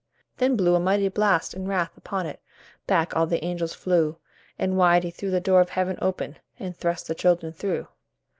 Then blew a mighty blast in wrath upon it; Back all the angels flew, And wide he threw the door of heaven open, And thrust the children through.